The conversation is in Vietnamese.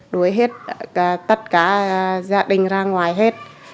đuổi hết tất cả gia đình ra ngoài hết